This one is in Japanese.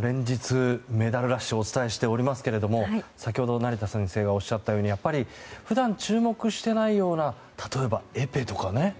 連日、メダルラッシュをお伝えしておりますけれども先ほど成田先生がおっしゃったように普段注目していないような例えば、エペとかね。